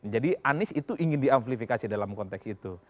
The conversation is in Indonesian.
jadi anies itu ingin di amplifikasi dalam konteks itu